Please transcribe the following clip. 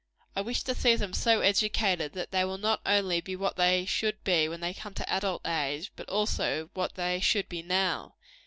I wish to see them so educated that they will not only be what they should be, when they come to adult age, but also what they should be now.